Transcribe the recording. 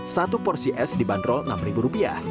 satu porsi es dibanderol enam ribu rupiah